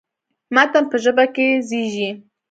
متن په ژبه کې زېږي.